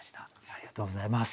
ありがとうございます。